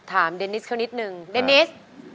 เดนิสเขานิดนึงเดนิส